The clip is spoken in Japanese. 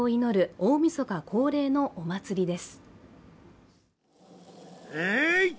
大みそか恒例のお祭りです。